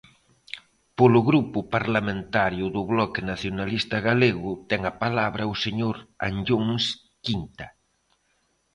Polo Grupo Parlamentario do Bloque Nacionalista Galego, ten a palabra o señor Anllóns Quinta.